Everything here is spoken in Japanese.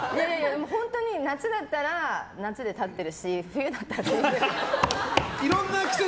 本当に夏だったら夏で立ってるし冬だったら冬で。